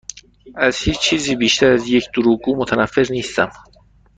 از هیچ چیزی بیشتر از یک دروغگو متنفر نیستم.